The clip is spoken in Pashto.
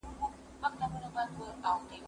زه اوږده وخت کتابتون ته راځم وم!؟